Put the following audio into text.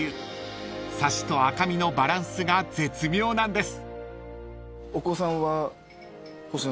［サシと赤身のバランスが絶妙なんです］